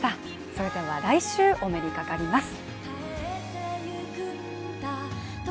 それでは来週、お目にかかります。